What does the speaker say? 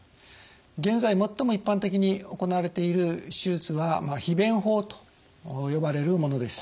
現在最も一般的に行われている手術は皮弁法と呼ばれるものです。